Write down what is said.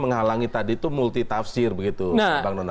menghalangi menghalangi tadi itu multi tafsir begitu bang nonar